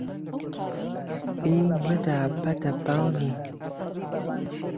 ئی مدە بەدە بانی